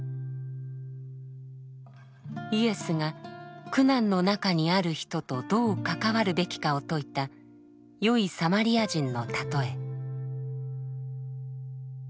イエスが苦難の中にある人とどう関わるべきかを説いた「善いサマリア人」のたとえ。